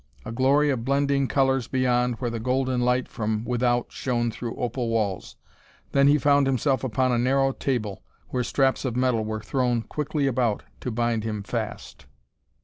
A glory of blending colors beyond, where the golden light from without shone through opal walls then he found himself upon a narrow table where straps of metal were thrown quickly about to bind him fast.